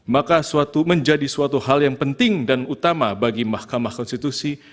maka menjadi suatu hal yang penting dan utama bagi mahkamah konstitusi